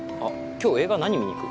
今日映画何見にいく？